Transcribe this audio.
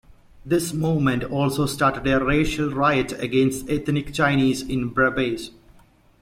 This movement also started a racial riot against ethnic Chinese in Brebes.